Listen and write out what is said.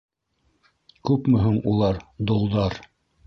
Күпме һуң улар — долдар?